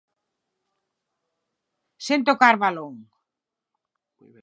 Sen tocar balón.